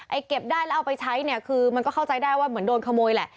เก็บได้แล้วเอาไปใช้เนี่ยคือมันก็เข้าใจได้ว่าเหมือนโดนขโมยแหละ